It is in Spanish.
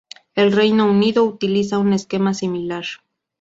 El Reino Unido utiliza un esquema similar.